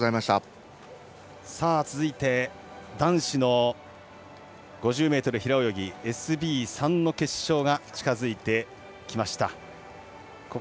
続いては男子の５０ｍ平泳ぎＳＢ３の決勝が近づいてきました。